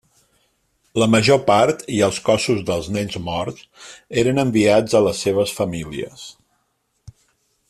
La major part i els cossos dels nens morts eren enviats a les seves famílies.